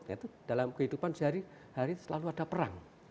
yaitu dalam kehidupan sehari hari selalu ada perang